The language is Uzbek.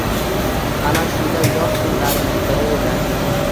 Ana shunday yoz kunlarining biri edi.